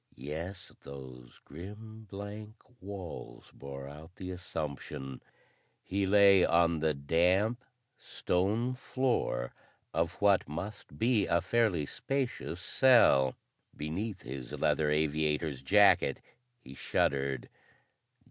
Yes, those grim blank walls bore out the assumption. He lay on the damp stone floor of what must be a fairly spacious cell. Beneath his leather aviator's jacket he shuddered.